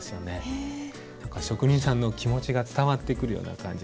職人さんの気持ちが伝わってくるような感じがします。